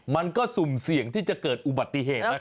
ไม่เห็นที่จะเกิดอุบัติเหตุนะครับ